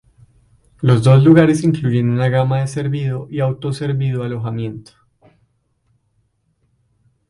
Los dos lugares incluyen una gama de servido y auto-servido alojamiento.